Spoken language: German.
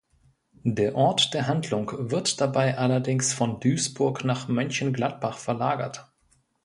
Der Ort der Handlung wird dabei allerdings von Duisburg nach Mönchengladbach verlagert.